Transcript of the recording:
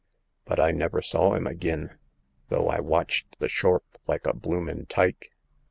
But I never saw 'im agin, though I watched the shorp like a bloomin' tyke.